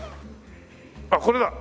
あっこれだ！